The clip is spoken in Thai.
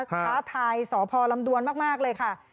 ประทับทายสอภาลำดวนมากเลยค่ะ